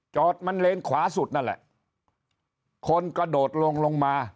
จอดมันเลนขวาสุดนั่นแหละคนกระโดดลงลงมา